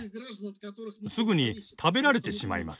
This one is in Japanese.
すぐに食べられてしまいます。